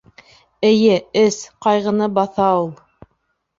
Эйе, эс, ҡайғыны баҫа ул.